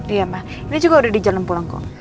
iya ma ini juga udah di jalan pulang kok